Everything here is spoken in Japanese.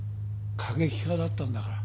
過激派だったんだから。